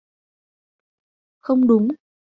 Không đúng